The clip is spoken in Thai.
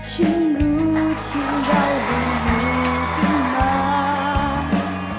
ฉันรู้ที่เราไม่อยู่กันมา